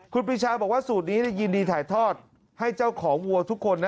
คุณปีชาบอกว่าสูตรนี้ยินดีถ่ายทอดให้เจ้าของวัวทุกคนนะ